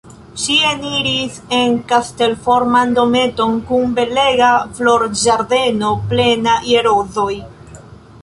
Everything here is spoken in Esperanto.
Ŝi eniris en kastelforman dometon kun belega florĝardeno plena je rozoj.